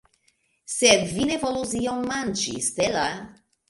Sed vi ne volus iom manĝi, Stella?